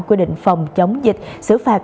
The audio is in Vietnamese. quy định phòng chống dịch xử phạt